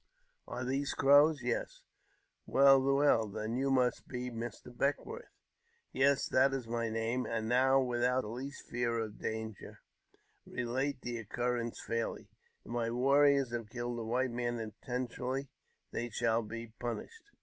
"Are these Crows ?" "Yes." " Well, well ! Then you must be Mr. Beckwourth ?"" Yes, that is my name. And now, without the least fear of danger, relate the occurrence fairly : if my warriors have killed a wliite man intentionally, they shall be punished."